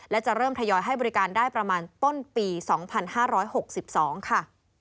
และจะเริ่มทยอยให้บริการได้ประมาณต้นปี๒๕๖๒ค่ะ